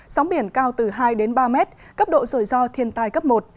sóng biển cao từ hai đến ba mét cấp độ rủi ro thiên tai cấp một